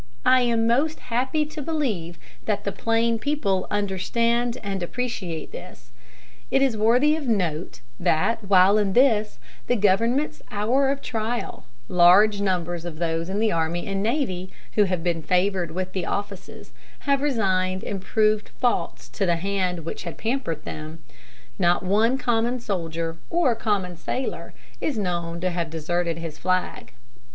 I am most happy to believe that the plain people understand and appreciate this. It is worthy of note that while in this, the government's hour of trial, large numbers of those in the army and navy who have been favored with the offices have resigned and proved false to the hand which had pampered them, not one common soldier or common sailor is known to have deserted his flag."